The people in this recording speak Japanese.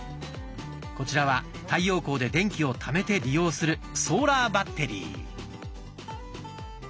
こちらは太陽光で電気をためて利用するソーラーバッテリー。